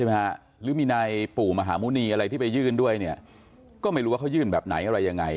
หรือมีในปู่มหาหมุณีอะไรที่ไปยื่นด้วยเนี่ยก็ไม่รู้ว่าเขายื่นแบบไหนอะไรยังไง